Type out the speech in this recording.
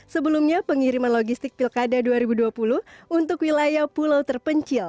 sebelumnya pengiriman logistik pilkada dua ribu dua puluh untuk wilayah pulau terpencil